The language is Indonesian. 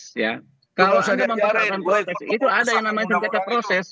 itu ada yang namanya sengketa proses